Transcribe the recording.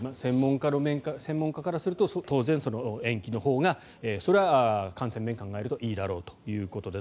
専門家からすると当然、延期のほうがそれは感染の面を考えるといいということです。